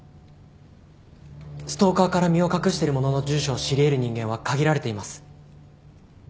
ストーカーから身を隠してる者の住所を知り得る人間は限られています。